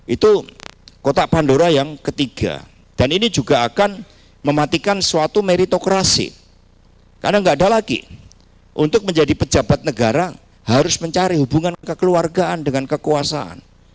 itu kota pandora yang ketiga dan ini juga akan mematikan suatu meritokrasi karena nggak ada lagi untuk menjadi pejabat negara harus mencari hubungan kekeluargaan dengan kekuasaan